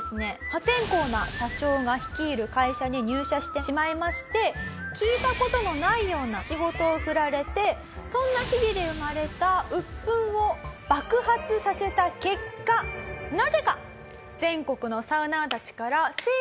破天荒な社長が率いる会社に入社してしまいまして聞いた事もないような仕事を振られてそんな日々で生まれた鬱憤を爆発させた結果なぜか。